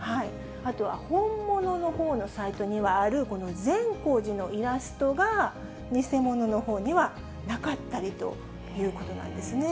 あとは本物のほうのサイトにはある、善光寺のイラストが、偽物のほうにはなかったりということなんで